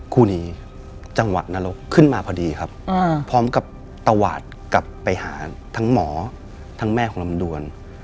คู่นี้จังหวะนรกขึ้นมาพอดีครับพร้อมกับตวาดกลับไปหาทั้งหมอทั้งแม่ของลำดวน